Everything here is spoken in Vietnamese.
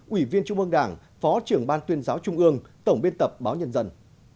ủy viên trung ương đảng phó trưởng ban tuyên giáo trung ương tổng biên tập báo nhân dân